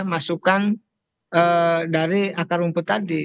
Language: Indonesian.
masukan dari akar rumput tadi